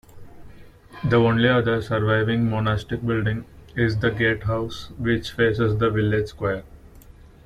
The only other surviving monastic building is the gatehouse which faces the village square.